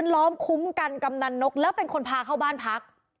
และเป็นคนพาเข้าบ้านพัก